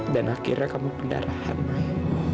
dan akhirnya kamu pendarahan mai